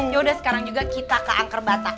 yaudah sekarang juga kita ke akar bata